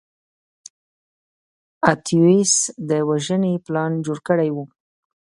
اتیوس د وژنې پلان جوړ کړی و.